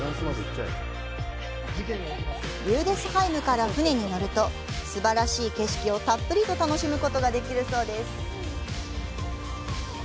リューデスハイムから船に乗ると、すばらしい景色をたっぷりと楽しむことができるそうです。